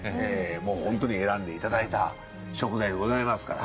もうホントに選んでいただいた食材でございますから。